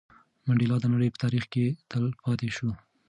منډېلا د نړۍ په تاریخ کې تل پاتې شو.